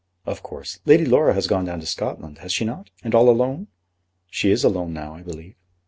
"Of course. Lady Laura has gone down to Scotland; has she not; and all alone?" "She is alone now, I believe."